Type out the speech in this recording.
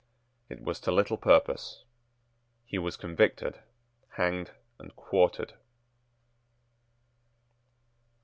It was to little purpose. He was convicted, hanged, and quartered.